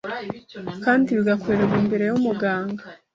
kandi bigakorerwa imbere y’umuganga